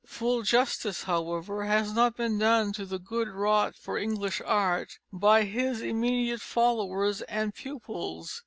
Full justice, however, has not been done to the good wrought for English art by his immediate followers and pupils.